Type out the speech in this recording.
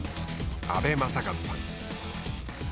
阿部正和さん。